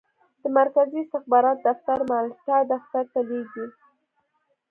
د مرکزي استخباراتو دفتر مالټا دفتر ته لیکي.